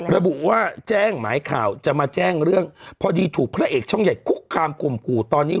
ระบุว่าแจ้งหมายข่าวจะมาแจ้งเรื่องพอดีถูกพระเอกช่องใหญ่คุกคามข่มขู่ตอนนี้